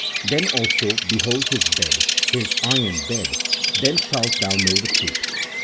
then also behold his bed, his iron bed, then shalt thou know the truth."